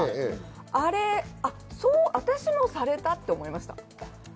あれ私もされたって思いました。